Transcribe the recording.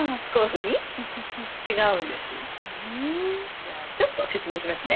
じゃあちょっと説明しますね。